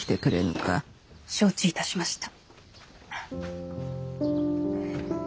承知いたしました。